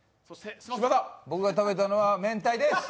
僕が食べたのはめんたいです。